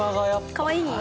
かわいい？